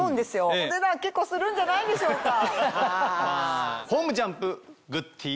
お値段結構するんじゃないんでしょうか？